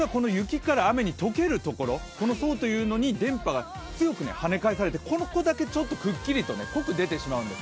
解けるところ、この層というのに電波が強くはね返されてここだけちょっとくっきりと濃く出てしまうんです。